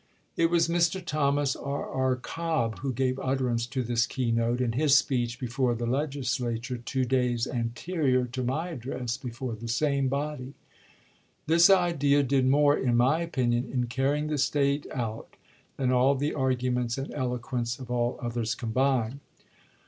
It was Mr. Thomas R. R. Cobb who gave utterance to this key note in his speech before the Legislature two days anterior to my address before the same body. This idea did more, in my opinion, in carrying the State out, than all the argu ments and eloquence of all others combined."